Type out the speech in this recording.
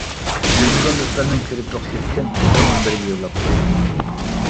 كۆرمىگەن دوستلارنىڭ كۆرۈپ بېقىشى ئۈچۈن بۇ مۇنبەرگە يوللاپ قويدۇم.